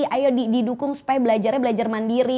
ayo didukung supaya belajarnya belajar mandiri